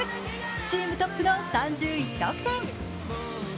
チームトップの３１得点。